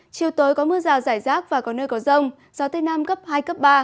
chiều tối có mưa rào rải rác và có nơi có rông gió tây nam cấp hai cấp ba